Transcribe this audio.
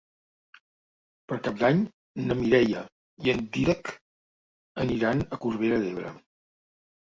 Per Cap d'Any na Mireia i en Dídac aniran a Corbera d'Ebre.